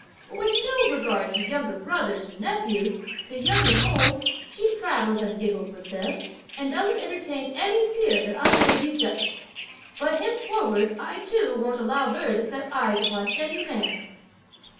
But with no regard to younger brothers or nephews, to young and old, she prattles and giggles with them, and doesn't entertain any fear that I may be jealous; but henceforward I too won't allow her to set eyes upon any man."